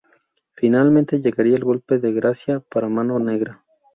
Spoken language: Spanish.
Finalmente llegaría el golpe de gracia para Mano Negra.